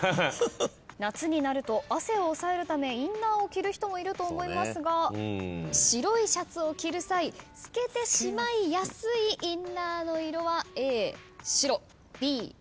夏になると汗を抑えるためインナーを着る人もいると思いますが白いシャツを着る際透けてしまいやすいインナーの色は「Ａ白」「Ｂグレー」